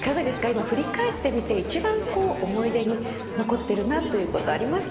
今振り返ってみて一番思い出に残ってるなということありますか？